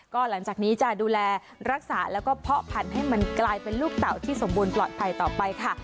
ก็หลังจากนี้จะดูแลรักษาแล้วก็เพาะพันธุ์ให้มันกลายเป็นลูกเต่าที่สมบูรณ์ปลอดภัยต่อไปค่ะ